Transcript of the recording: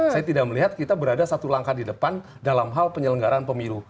saya tidak melihat kita berada satu langkah di depan dalam hal penyelenggaraan pemilu